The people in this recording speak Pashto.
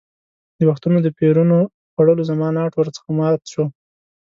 د وختونو د پېرونو په خوړلو زما ناټ ور څخه مات شو.